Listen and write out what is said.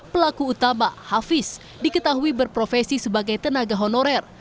pelaku utama hafiz diketahui berprofesi sebagai tenaga honorer